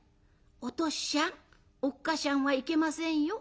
『おとっしゃんおっかしゃん』はいけませんよ。